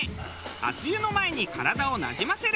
あつ湯の前に体をなじませる。